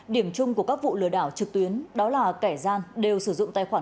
điểm chung của các vụ lừa đảo trực tuyến đó là kẻ gian